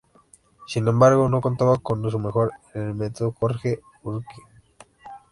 Sin embargo, no contaban con su mejor elemento, Jorge Urquía.